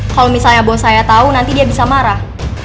kalau misalnya bos saya tahu nanti dia bisa marah